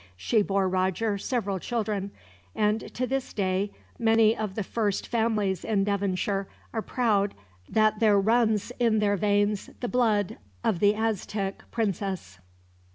She bore Roger several children, and to this day many of the first families in Devonshire are proud that there runs in their veins the blood of the Aztec princess.